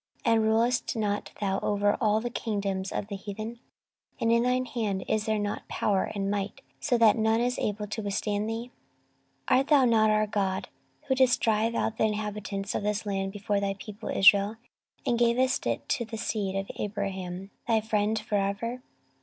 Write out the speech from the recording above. and rulest not thou over all the kingdoms of the heathen? and in thine hand is there not power and might, so that none is able to withstand thee? 14:020:007 Art not thou our God, who didst drive out the inhabitants of this land before thy people Israel, and gavest it to the seed of Abraham thy friend for ever?